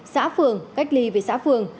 xã phường cách ly với xã phường